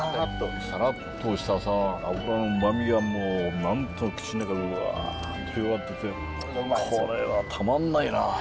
さらっとした脂の旨味がもう口の中にうわっと広がってきてこれはたまんないなあ。